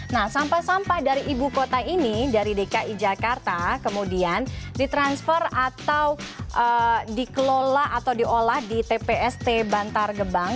nah sampah sampah dari ibu kota ini dari dki jakarta kemudian ditransfer atau dikelola atau diolah di tpst bantar gebang